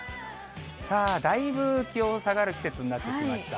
さあ、だいぶ気温下がる季節になってきました。